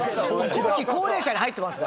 後期高齢者に入ってます。